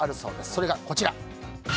それが、こちら。